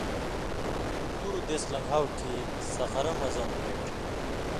دُو دیس لن٘گھاؤ کھیں سقرہ مہ زؤں بھیٹ